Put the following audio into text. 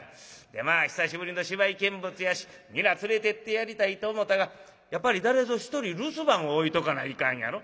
でまあ久しぶりの芝居見物やし皆連れてってやりたいと思うたがやっぱり誰ぞ一人留守番を置いとかないかんやろ。